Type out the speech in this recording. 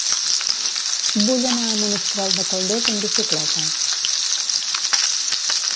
Vull anar a Monistrol de Calders amb bicicleta.